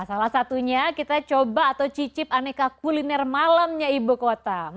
salah satunya kita coba atau cicip aneka kuliner malamnya ibu kota